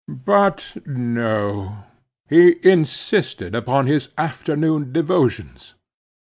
But no; he insisted upon his afternoon devotions.